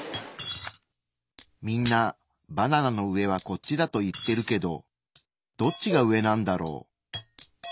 みんなバナナの上はこっちだと言ってるけどどっちが上なんだろう？